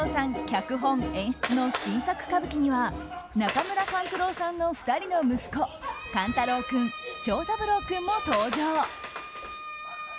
脚本・演出の新作歌舞伎には中村勘九郎さんの２人の息子勘太郎君、長三郎君も登場。